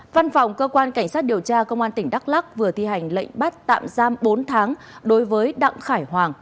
văn phòng cơ quan cảnh sát điều tra công an tỉnh đắk lắc vừa thi hành lệnh bắt tạm giam bốn tháng đối với đặng khải hoàng